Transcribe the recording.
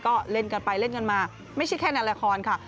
ก็เล่นกันไปเล่นกันมาไม่ใช่แค่ในละครค่ะ